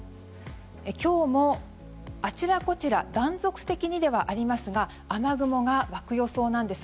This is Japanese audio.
今日もあちらこちら断続的にではありますが雨雲が湧く予想なんです。